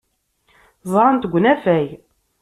Ẓran-t deg unafag.